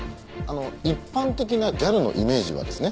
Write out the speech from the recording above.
一般的なギャルのイメージはですね